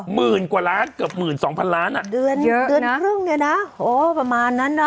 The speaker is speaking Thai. หมื่นกว่าล้านเกือบ๑๒๐๐๐๐๐ล้านอ่ะเดือนพรึ่งเนี่ยนะโอ้ประมาณนั้นนะ